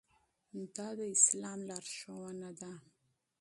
دا د اسلام لارښوونه ده.